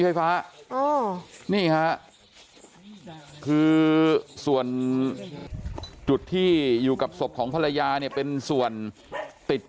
ไฟฟ้านี่ฮะคือส่วนจุดที่อยู่กับศพของภรรยาเนี่ยเป็นส่วนติด